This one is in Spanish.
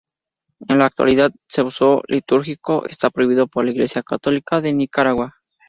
En al actualidad su uso litúrgico está prohibido por la Iglesia Católica de Nicaragua.